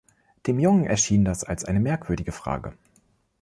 Dem Jungen erschien das als eine merkwürdige Frage.